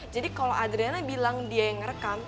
jadi kalau adriana bilang dia yang merekam